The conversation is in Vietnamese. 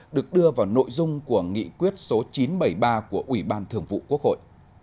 được đưa vào nội dung của nghị quyết số chín trăm bảy mươi ba của ủy ban thường vụ quốc hội